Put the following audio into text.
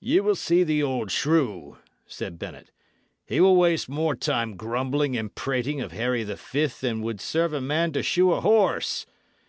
"Ye will see the old shrew," said Bennet. "He will waste more time grumbling and prating of Harry the Fift than would serve a man to shoe a horse.